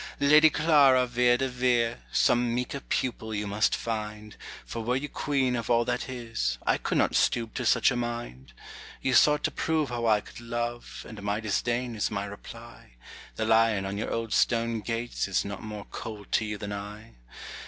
Lady Clara Vere de Vere, Some meeker pupil you must find, For were you queen of all that is, I could not stoop to such a mind. You sought to prove how I could love, And my disdain is my reply. The lion on your old stone gates Is not more cold to you than I.